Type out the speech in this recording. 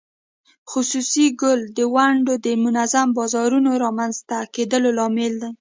خصوصي کول د ونډو د منظم بازارونو رامینځته کېدو لامل دی.